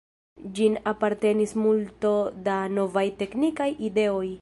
Ĝin apartenis multo da novaj teknikaj ideoj.